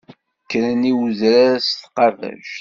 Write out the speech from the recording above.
Kkren i wedrar s tqabact.